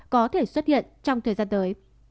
có thể xuất hiện trong thời gian tới